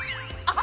あ！